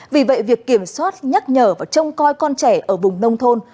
vì vậy việc kiểm soát nhắc nhở và trông coi con trẻ ở vùng nông thôn